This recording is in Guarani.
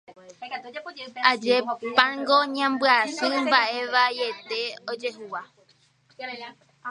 Ajépango ñambyasy mba'e vaiete ojehúva